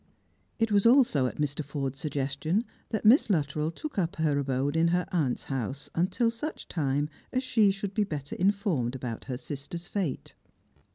It was also at Mr. Forde's suggestion that Miss Luttrell took up her abode in her aunt's house until such time as she should be better informed about her sister's fate.